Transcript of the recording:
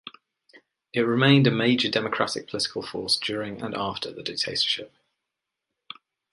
It remained a major democratic political force during and after the dictatorship.